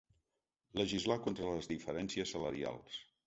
Legislar contra les diferències salarials.